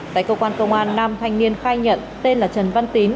tại cơ quan công an nam thanh niên khai nhận tên là trần văn tín